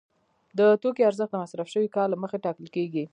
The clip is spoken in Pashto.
د توکي ارزښت د مصرف شوي کار له مخې ټاکل کېږي